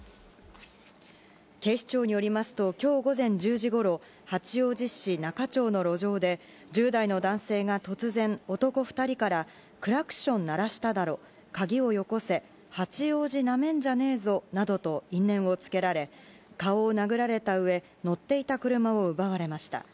警視庁によりますと、きょう午前１０時ごろ、八王子市中町の路上で、１０代の男性が突然、男２人から、クラクション鳴らしただろ、鍵をよこせ、八王子なめんじゃねえぞなどと因縁をつけられ、顔を殴られたうえ、乗っていた車を奪われました。